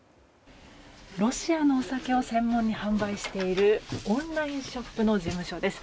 ロシアのお酒を専門に販売しているオンラインショップの事務所です。